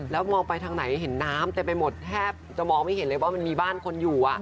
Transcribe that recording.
แล้วมองไปทางไหนเห็นน้ำเต็มไปหมดแทบจะมองไม่เห็นเลยว่ามันมีบ้านคนอยู่